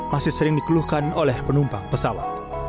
masih sering dikeluhkan oleh penumpang pesawat